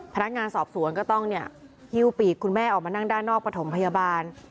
พนักงานสอบสวนก็ต้องหิ้วปีกคุณแม่ออกมานั่งด้านนอกประถมพยาบาล